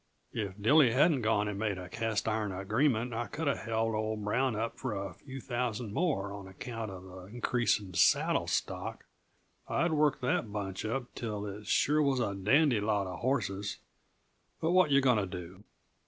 If Dilly hadn't gone and made a cast iron agreement I coulda held old Brown up for a few thousand more, on account uh the increase in saddle stock. I'd worked that bunch up till it sure was a dandy lot uh hosses but what yuh going to do?"